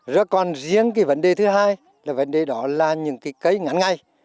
rất còn riêng cái vấn đề thứ hai là vấn đề đó là những cây ngắn ngay